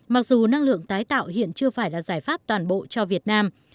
mặc dù năng lượng tái tạo hiện chưa phải là giải pháp toàn bộ cho việt nam